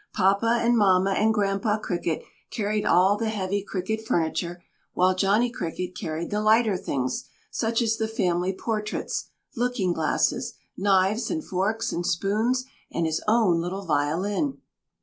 Papa and Mamma and Grandpa Cricket carried all the heavy Cricket furniture, while Johnny Cricket carried the lighter things, such as the family portraits, looking glasses, knives and forks and spoons, and his own little violin.